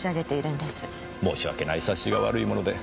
申し訳ない察しが悪いもので。